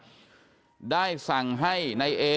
อาจจะถูกค้นและลองสร้างการให้อัพพยาบาล